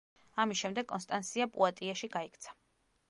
ამის შემდეგ კონსტანსია პუატიეში გაიქცა.